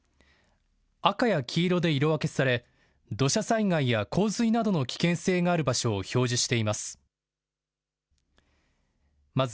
赤や黄色で色分けされ、土砂災害や洪水などの危険性がある場所を表示しています。